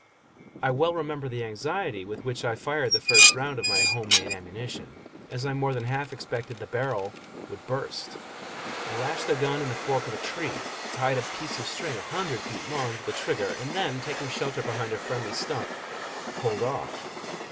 I well remember the anxiety with which I fired the first round of my home made ammunition. As I more than half expected that the barrel would burst, I lashed the gun in the fork of a tree, tied a piece of string a hundred feet long to the trigger, and then taking shelter behind a friendly stump pulled off.